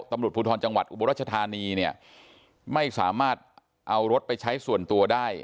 ตำรวจภูทรจังหวัดอุบรัชธานีเนี่ยไม่สามารถเอารถไปใช้ส่วนตัวได้